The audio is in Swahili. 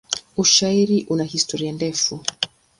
Ushairi una historia ndefu.